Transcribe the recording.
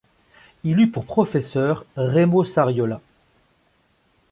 Il eut pour professeur Raimo Sariola.